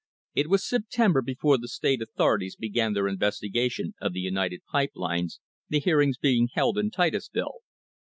It was September before the state author ities began their investigation of the United Pipe Lines, the hearings being held in Titusville.